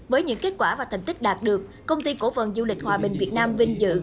với những kết quả và thành tích đạt được công ty cổ phần du lịch hòa bình việt nam vinh dự